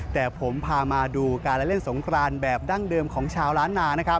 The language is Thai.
แต่ผมพามาดูการเล่นสงครานแบบดั้งเดิมของชาวล้านนานะครับ